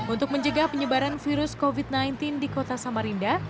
untuk menjaga penyebaran virus covid sembilan belas di kota samarinda